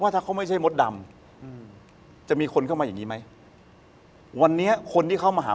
ที่จะให้คนเหล่านั้นมากกว่า